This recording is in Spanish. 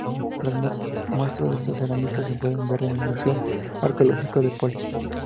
Las muestras de esta cerámica se pueden ver en el Museo Arqueológico de Poli.